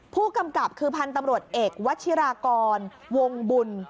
ผู้กำกับคือพันธุ์ตำรวจเอกวัชิรากรวงบุญ